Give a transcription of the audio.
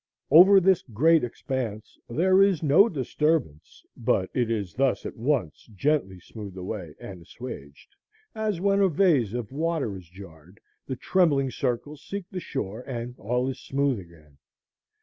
Over this great expanse there is no disturbance but it is thus at once gently smoothed away and assuaged, as, when a vase of water is jarred, the trembling circles seek the shore and all is smooth again.